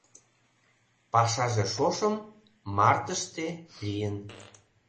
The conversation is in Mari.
Пашаже шошым, мартыште, лийын.